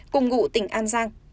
cùng ngụ tỉnh an giang